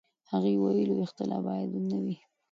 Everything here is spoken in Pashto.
هغه ویلي و، اختلاف باید نه وي.